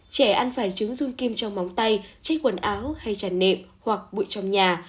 trẻ ăn phải trứng dung kim trong móng tay trách quần áo hay tràn nệm hoặc bụi trong nhà